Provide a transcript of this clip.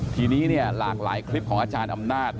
ทีนี้หลากหลายคลิปของอาจารย์อำนาจ